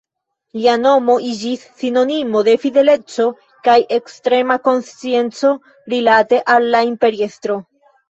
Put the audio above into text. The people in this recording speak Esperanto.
Lia nomo iĝis sinonimo de fideleco kaj ekstrema konscienco rilate al la imperiestro.